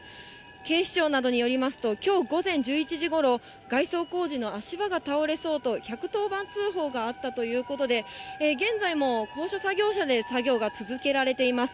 警視庁などによりますと、きょう午前１１時ごろ、外装工事の足場が倒れそうと、１１０番通報があったということで、現在も高所作業車で作業が続けられています。